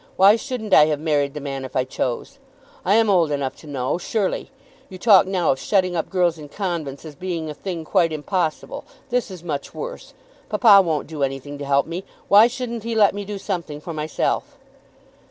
Why shouldn't I have married the man if I chose? I am old enough to know surely. You talk now of shutting up girls in convents as being a thing quite impossible. This is much worse. Papa won't do anything to help me. Why shouldn't he let me do something for myself?"